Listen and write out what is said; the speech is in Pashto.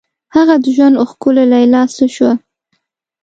هغه د ژوند ښکلي لیلا څه شوه؟